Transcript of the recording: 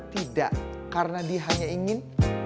tidak karena dia hanya ingin